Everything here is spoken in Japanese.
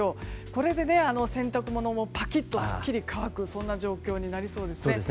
これで洗濯物もぱきっと、すっきりと乾くとそんな状況になりそうですね。